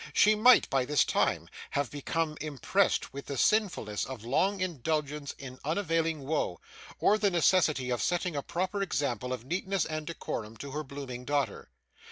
She might, by this time, have become impressed with the sinfulness of long indulgence in unavailing woe, or the necessity of setting a proper example of neatness and decorum to her blooming daughter.